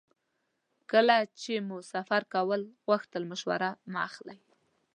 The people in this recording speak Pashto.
کله چې مو سفر کول غوښتل مشوره مه اخلئ.